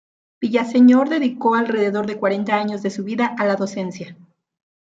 Villaseñor dedicó alrededor de cuarenta años de su vida a la docencia.